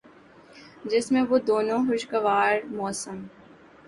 جس میں وہ دونوں خوشگوار موسم